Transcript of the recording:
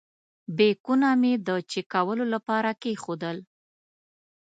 بیکونه مې د چېک کولو لپاره کېښودل.